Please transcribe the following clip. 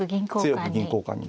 強く銀交換に。